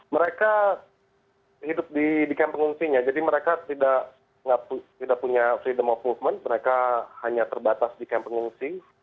mereka hidup di kamp pengungsinya jadi mereka tidak punya freedom of movement mereka hanya terbatas di kamp pengungsi